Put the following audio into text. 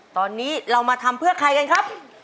ตอนนี้เรามาทำเพื่อใครกันครับ